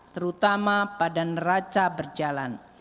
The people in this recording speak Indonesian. terutama pada neraca berjalan